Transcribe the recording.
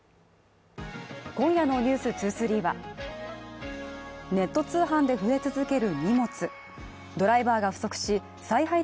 今夜の「ｎｅｗｓ２３」はネット通販で増え続ける